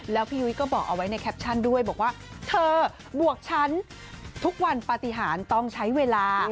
แล้วพี่ยุ้ยก็บอกเอาไว้ในแคปชั่นด้วยบอกว่าเธอบวกฉันทุกวันปฏิหารต้องใช้เวลา